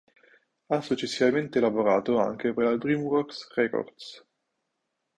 Ha successivamente lavorato anche per la DreamWorks Records.